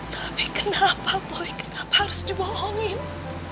tapi kenapa boy kenapa harus dibohongin